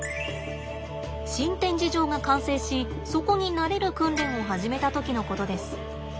新展示場が完成しそこに慣れる訓練を始めた時のことです。